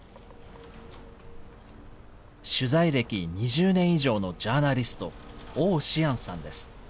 取材歴２０年以上のジャーナリスト、王志安さんです。